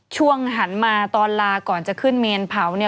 ช่วงหันมาตอนลาก่อนจะขึ้นเมนเผา